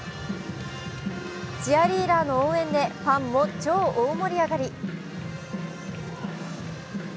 チアリーダーの応援でファンも超大盛り上がり。